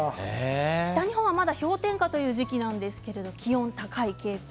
北日本は、まだ氷点下という時期なんですけれど気温が高い傾向。